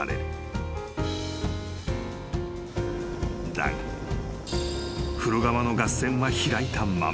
［だが風呂釜のガス栓は開いたまま］